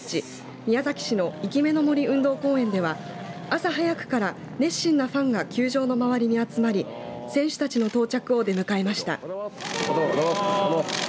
宮崎市の生目の杜運動公園では朝早くから熱心のファンが球場の周りに集まり選手たちの到着を出迎えました。